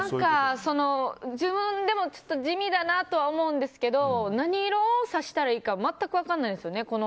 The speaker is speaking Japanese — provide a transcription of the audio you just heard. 自分でも地味だなとは思うんですけど何色を差したらいいのか全く分からないんですよね。